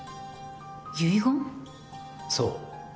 そう。